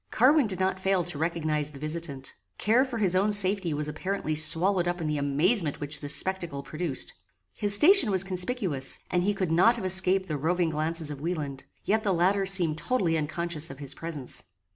Carwin did not fail to recognize the visitant. Care for his own safety was apparently swallowed up in the amazement which this spectacle produced. His station was conspicuous, and he could not have escaped the roving glances of Wieland; yet the latter seemed totally unconscious of his presence.